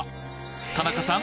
田中さん